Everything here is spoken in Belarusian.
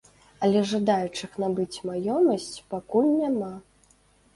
Але жадаючых набыць маёмасць пакуль няма.